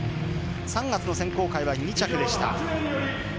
３月の選考会は２着でした。